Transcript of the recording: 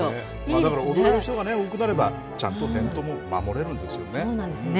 だから踊れる人が多くなればちゃんとそうなんですよね。